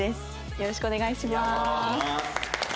よろしくお願いします。